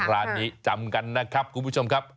ร้านนี้จำกันนะครับคุณผู้ชมครับ